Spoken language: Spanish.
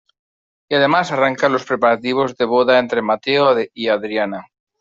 Y además arrancan los preparativos de boda entre Mateo y Adriana.